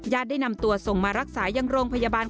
ได้นำตัวส่งมารักษายังโรงพยาบาล